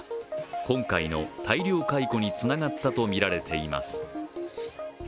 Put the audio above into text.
今回の大量解雇につながったとみられています